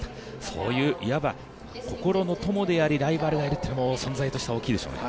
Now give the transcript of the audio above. そういう、いわば心の友でありライバルがいるというのは存在として大きいでしょうね。